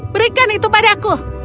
berikan itu padaku